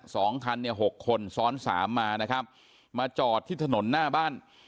สองคันเนี่ยหกคนซ้อนสามมานะครับมาจอดที่ถนนหน้าบ้าน